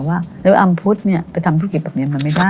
อ๋ออำพุทธเนี้ยไปทำภูติปรับเงินมันไม่ได้